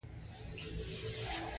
مایوسي بده ده.